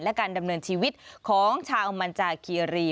และการดำเนินชีวิตของชาวมันจาคีรี